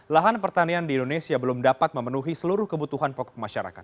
lahan pertanian di indonesia belum dapat memenuhi seluruh kebutuhan pokok masyarakat